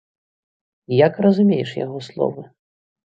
Як разумееш яго словы?